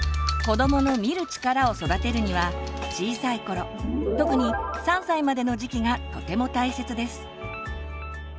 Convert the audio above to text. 子どもの「見る力」を育てるには小さい頃特に３歳までの時期がとても大切です。